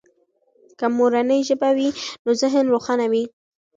که مورنۍ ژبه وي نو ذهن روښانه وي.